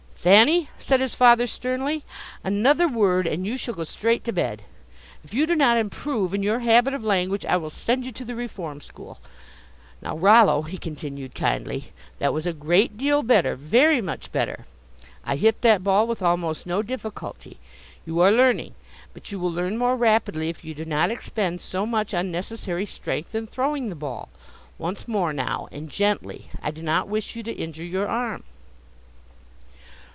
"Thanny," said his father sternly, "another word and you shall go straight to bed! If you do not improve in your habit of language I will send you to the reform school. Now, Rollo," he continued, kindly, "that was a great deal better; very much better. I hit that ball with almost no difficulty. You are learning. But you will learn more rapidly if you do not expend so much unnecessary strength in throwing the ball. Once more, now, and gently; I do not wish you to injure your arm."